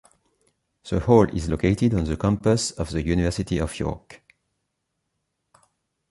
The hall is located on the campus of the University of York.